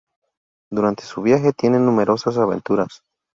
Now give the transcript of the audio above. Durante su viaje tiene numerosas aventuras.